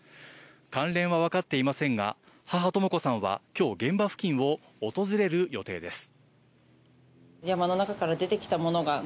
関連はわかっていませんが母・とも子さんは今日現場付近を訪れる予定です。